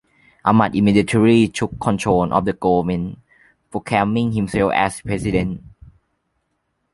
Ahmad immediately took control of the government, proclaiming himself as President.